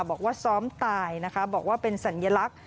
บอกว่าซ้อมตายนะคะบอกว่าเป็นสัญลักษณ์